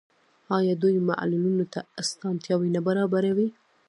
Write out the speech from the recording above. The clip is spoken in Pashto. آیا دوی معلولینو ته اسانتیاوې نه برابروي؟